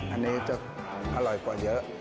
อันนี้จะอร่อยกว่าเยอะ